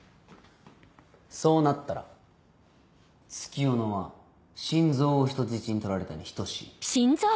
そうなったら月夜野は心臓を人質に取られたに等しい。